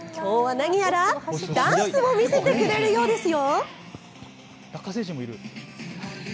きょうは何やらダンスを見せてくれるようですよ。